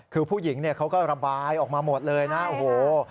คือผู้หญิงเนี่ยเขาก็ระบายออกมาหมดเลยนะโอ้โห